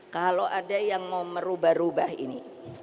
kalau ada yang mau merubah rubah ini